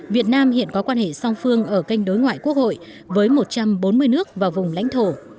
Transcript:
việt nam hiện có quan hệ song phương ở kênh đối ngoại quốc hội với một trăm bốn mươi nước và vùng lãnh thổ